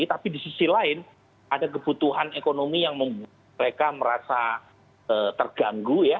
tapi di sisi lain ada kebutuhan ekonomi yang membuat mereka merasa terganggu ya